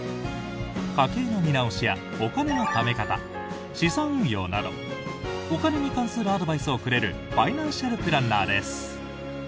家計の見直しやお金のため方資産運用などお金に関するアドバイスをくれるファイナンシャルプランナーです。